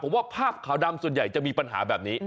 ผมว่าภาพขาวดำส่วนใหญ่จะมีปัญหาแบบนี้